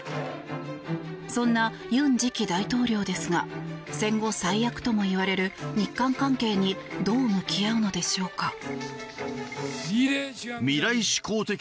そんなユン次期大統領ですが戦後最悪とも言われる日韓関係にどう向き合うのでしょうか。